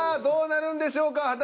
どうなるんでしょうか。